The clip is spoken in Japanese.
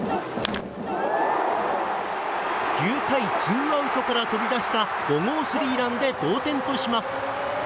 ９回９アウトから飛び出した５号スリーランで同点とします。